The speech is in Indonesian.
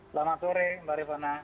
selamat sore mbak rifana